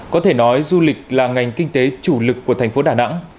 có thể nói du lịch là ngành kinh tế chủ lực của thành phố đà nẵng